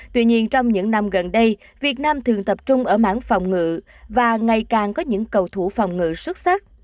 tuy nhiên trong những năm gần đây việt nam thường tập trung ở mảng phòng ngự và ngày càng có những cầu thủ phòng ngự xuất sắc